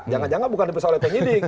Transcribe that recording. jangan jangan bukan dipisah oleh penyidik